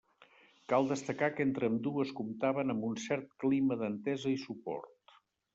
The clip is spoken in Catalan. Cal destacar que entre ambdues comptaven amb un cert clima d’entesa i suport.